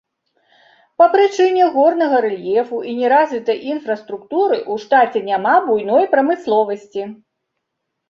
Па прычыне горнага рэльефу і неразвітой інфраструктуры ў штаце няма буйной прамысловасці.